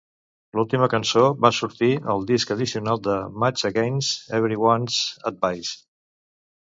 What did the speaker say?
L'última cançó va sortir al disc addicional de "Much Against Everyone's Advice".